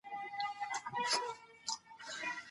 ايا زغم مهم دی؟